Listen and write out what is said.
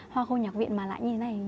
hoa khôi nhạc viện mà lại như thế này